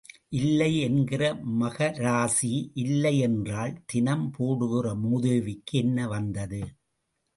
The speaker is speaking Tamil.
இல்லை என்கிற மகராசி இல்லை என்றாள் தினம் போடுகிற மூதேவிக்கு என்ன வந்தது?